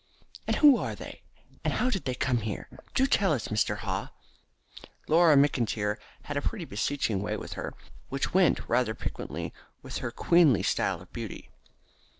"And who are they, and how did they come there? Do tell us, Mr. Haw." Laura McIntyre had a pretty beseeching way with her, which went rather piquantly with her queenly style of beauty.